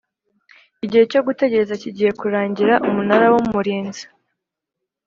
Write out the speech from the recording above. igihe cyo gutegereza kigiye kurangira Umunara w Umurinzi